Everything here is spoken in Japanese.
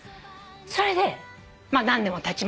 それで何年もたちましたよ。